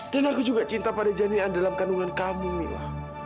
dan aku juga cinta pada janjinan dalam kandungan kamu mila